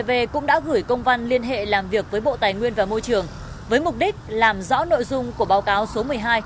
ev cũng đã gửi công văn liên hệ làm việc với bộ tài nguyên và môi trường với mục đích làm rõ nội dung của báo cáo số một mươi hai